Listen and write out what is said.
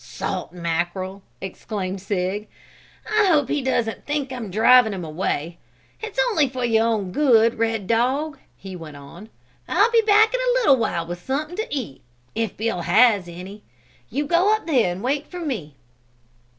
"Salt mackerel!" exclaimed Sig. "I hope he doesn't think I'm drivin' him away. It's only for your own good, red dog!" he went on. "I'll be back in a little while with something to eat if Bill has any. You go up there and wait for me!"